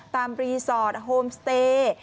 รีสอร์ทโฮมสเตย์